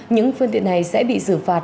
những phương tiện này sẽ bị giữ phạt